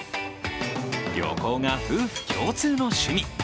旅行が夫婦共通の趣味。